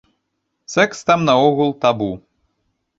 Сэкс там наогул табу.